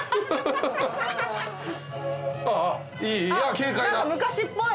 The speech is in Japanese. あっいい。